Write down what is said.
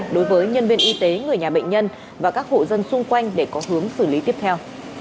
đối với nhân viên y tế người nhà bệnh nhân và các hộ dân xung quanh để có hướng xử lý tiếp theo